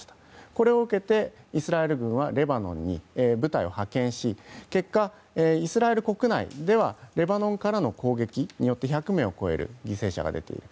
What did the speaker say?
これを受けてイスラエル軍はレバノンに部隊を派遣し結果、イスラエル国内ではレバノンからの攻撃によって１００名を超える犠牲者が出ている。